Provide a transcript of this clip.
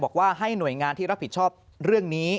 บอกว่าให้หน่วยงานที่รับผิดชอบเรื่องนี้